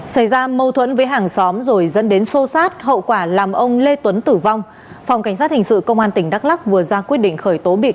xảy ra mâu thuẫn với hàng xóm rồi dẫn đến sô sát hậu quả làm ông lê tuấn tử vong phòng cảnh sát hình sự công an tỉnh đắk lắc vừa ra quyết định khởi tố bị can